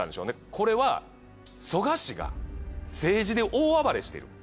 これは蘇我氏が政治で大暴れしてる。